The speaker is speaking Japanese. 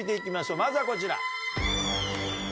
まずはこちら。